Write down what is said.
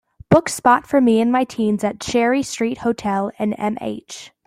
book spot for me and my teens at Cherry Street Hotel in MH